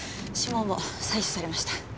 指紋も採取されました。